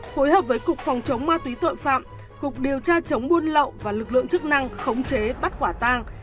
phối hợp với cục phòng chống ma túy tội phạm cục điều tra chống buôn lậu và lực lượng chức năng khống chế bắt quả tang